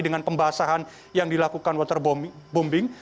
dengan pembasahan yang dilakukan waterbombing